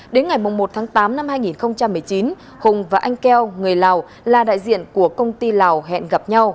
đến ngày một tháng tám năm hai nghìn một mươi chín hùng và anh keo người lào là đại diện của công ty lào hẹn gặp nhau